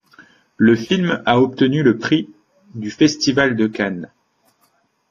Le film a obtenu le Prix du du festival de Cannes.